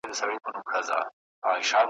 د کوهي څنډي ته نه وو راختلی ,